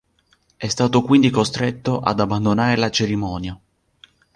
È stato quindi costretto ad abbandonare la cerimonia.